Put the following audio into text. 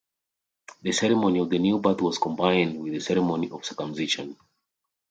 The ceremony of the new birth was combined with the ceremony of circumcision.